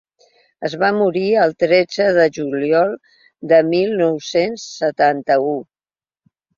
Es va morir el tretze de juliol de mil nou-cents setanta-u.